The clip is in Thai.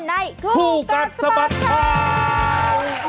ในคู่กัดสมัครขาว